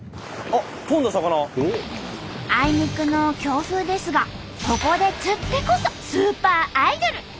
あいにくの強風ですがここで釣ってこそスーパーアイドル！